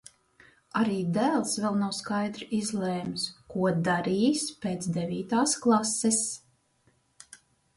Arī dēls vēl nav skaidri izlēmis, ko darīs pēc devītās klases.